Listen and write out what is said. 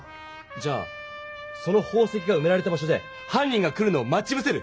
じゃあその宝石がうめられた場所ではん人が来るのを待ちぶせる！